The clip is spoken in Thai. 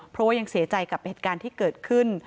เพราะว่ายังเสียใจกับเหตุการณ์ที่เกิดขึ้น